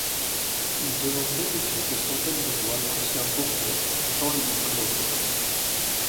Il devançait de quelques centaines de voix l'ancien bourgmestre Jean-Louis Close.